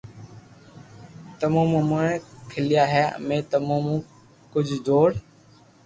تمو امون ني خلڪيا ھي امي تمو نو ڪجھ دور